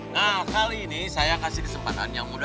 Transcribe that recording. nah kali ini saya kasih kesempatan yang mudah